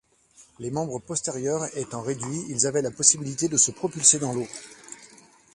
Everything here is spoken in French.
Leurs membres postérieurs étant réduits, ils avaient la possibilité de se propulser dans l'eau.